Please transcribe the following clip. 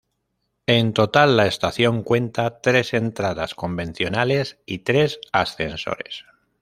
En total la estación cuenta tres entradas convencionales y tres ascensores.